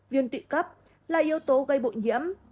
viên tự cấp là yếu tố gây bộ nhiễm